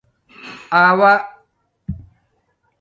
آݸا